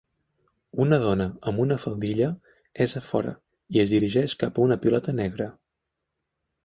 Una dona amb una faldilla és a fora i es dirigeix cap a una pilota negra.